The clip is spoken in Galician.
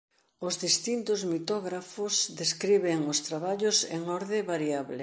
Os distintos mitógrafos describen os traballos en orde variable.